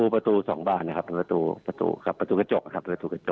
ประตู๒บ้านนะครับประตูกระจกครับ